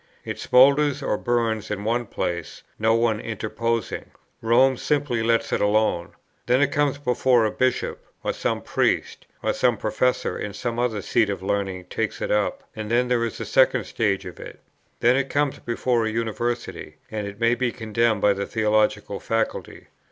It smoulders or burns in one place, no one interposing; Rome simply lets it alone. Then it comes before a Bishop; or some priest, or some professor in some other seat of learning takes it up; and then there is a second stage of it. Then it comes before a University, and it may be condemned by the theological faculty.